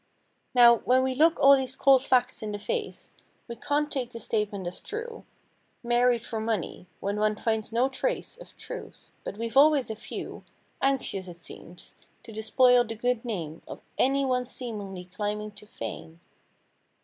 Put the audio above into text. Now when we look all these cold facts in the face, We can't take the statement as true i86 ("Married for money") when one finds no trace Of truth. But weVe always a few Anxious, it seems, to despoil the good name Of any one seemingly climbing to fame.